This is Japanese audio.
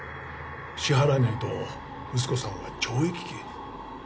支払えないと息子さんは懲役刑に。